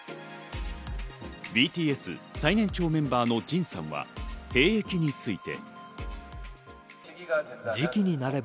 ＢＴＳ最年長メンバーのＪＩＮさんは兵役について。